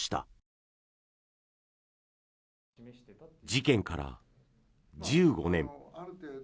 事件から１５年。